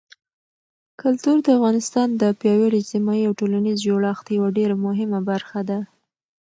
کلتور د افغانستان د پیاوړي اجتماعي او ټولنیز جوړښت یوه ډېره مهمه برخه ده.